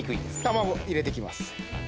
卵入れていきます